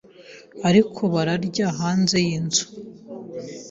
ariko barandya hanze yinzu.